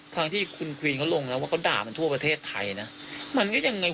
ทั้งที่คุณควีนเขาลงแล้วว่าเขาด่ามันทั่วประเทศไทยนะมันก็ยังไง